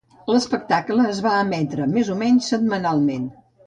L"espectacle es va emetre, més o menys, setmanalment.